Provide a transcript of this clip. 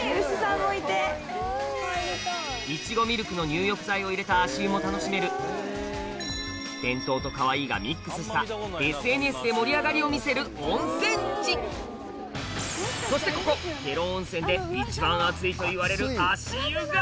見てください。を入れた足湯も楽しめる伝統とかわいいがミックスしたＳＮＳで盛り上がりを見せる温泉地そしてここ下呂温泉で一番熱いといわれる足湯が！